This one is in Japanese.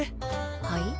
はい？